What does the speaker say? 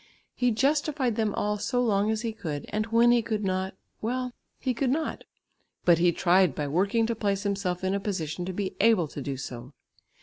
He justified them all so long as he could, and when he could not, well, he could not, but he tried by working to place himself in a position to be able to do so.